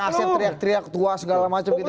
nggak ngasih teriak teriak tua segala macem gitu